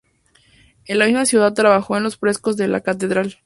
En la misma ciudad trabajó en los frescos de la catedral.